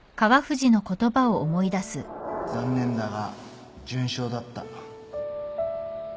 残念だが準賞だった